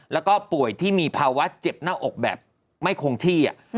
แล้วก็ป่วยที่มีภาวะเจ็บหน้าอกแบบไม่คงที่